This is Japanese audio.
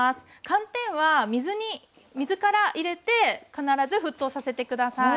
寒天は水から入れて必ず沸騰させて下さい。